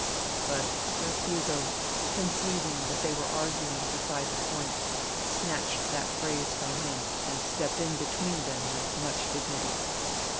But Sir Hugo, conceiving that they were arguing beside the point, snatched that phrase from him and stepped in between them with much dignity.